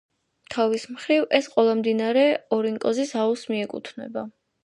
თავის მხრივ, ეს ყველა მდინარე ორინოკოს აუზს მიკეუთვნება.